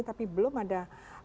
tapi belum ada